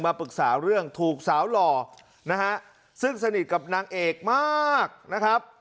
ปรึกษาเรื่องถูกสาวหล่อนะฮะซึ่งสนิทกับนางเอกมากนะครับ